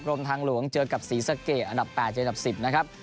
กรมทางหลวงเจอกับศรีสะเกดอันดับ๘เจอดับ๑๐นะครับ